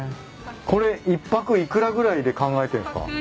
これ１泊幾らぐらいで考えてんすか？